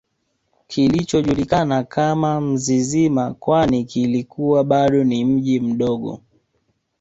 kilichojulikana kama Mzizima kwani kilikuwa bado ni mji mdogo